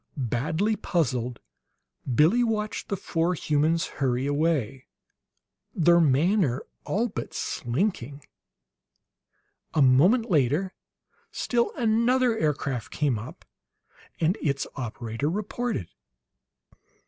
Badly puzzled, Billie watched the four humans hurry away, their manner all but slinking. A moment later still another aircraft came up, and its operator reported.